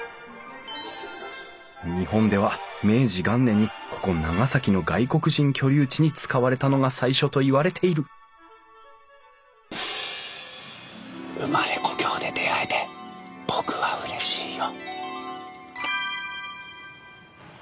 日本では明治元年にここ長崎の外国人居留地に使われたのが最初といわれてる生まれ故郷で出会えて僕はうれしいよ。